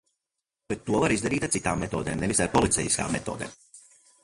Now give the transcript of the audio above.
Bet to var izdarīt ar citām metodēm, nevis ar policejiskām metodēm.